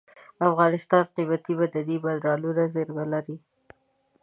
افغانستان قیمتي معدني منرالونو زیرمې لري.